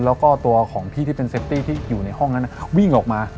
แล้วก็ตัวของพี่ที่เป็นเซฟตี้ที่อยู่ในห้องนั้นวิ่งออกมา